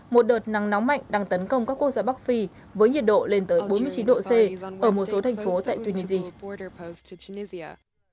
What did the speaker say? một đợt nắng nóng mạnh đang tấn công các quốc gia bắc phi với nhiệt độ lên tới bốn mươi chín độ c ở một số thành phố tại tunisia